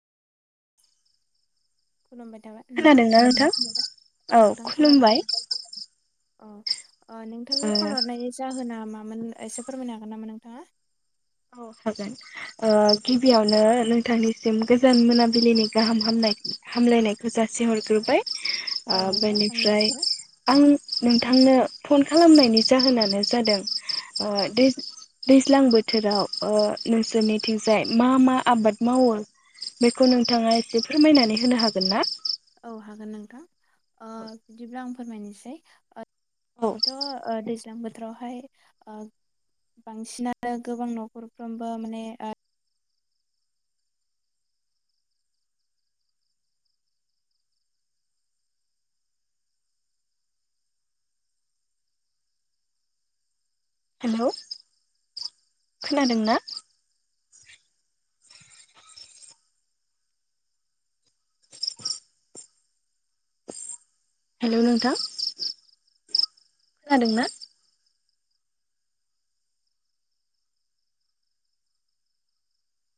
खुलुमबाय थाबाय खोनादोंना नोंथां औ नोंथां खोनादों खुलुमबाय। अ' ओ नोंथांनि फन हरनायनि जाहोना मा मामोन एसे फोरमायनो हागोन नामा नोंथाङा? औ हागोन ओ गिबियावनो नोंथांनिसिम गोजोन मोनाबिलिनि गाहाम हामनाय हामलायनायखौ जासि सि हरग्रोबाय ओ औ नोंथां बेनिफ्राय आंनिफ्रायबो आं नोंथांनो फन खालामनायनि जाहोनानो जादों ओ दैज दैज्लां बोथ थोराव ओ नोंसोरनिथिंजाय मा मा आबाद मावो बेखौ नोंथाङा एसे फोरमायनानै होनो हागोन ना? औ हागोन नोंथां। ओ बिदिब्ला आं फोरमायनोसै ओद औ आंथ' ओ दैज ज्लां बोथोरावहाय ओ बांसिनानो गोबां न'खरफ्रोमबो माने ओ हेलौ खोनादों ना? हेलौ नोंथां खोनादों ना?